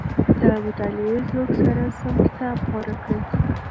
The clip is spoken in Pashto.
د مطالعې ذوق سره سم کتاب غوره کړئ.